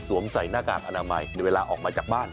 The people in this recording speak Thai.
ใส่หน้ากากอนามัยในเวลาออกมาจากบ้าน